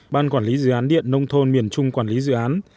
ban quản lý dự án điện nông thôn miền trung quản lý dự án